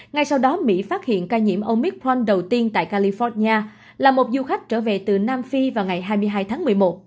ngay sau đó mỹ phát hiện ca nhiễm omic pin đầu tiên tại california là một du khách trở về từ nam phi vào ngày hai mươi hai tháng một mươi một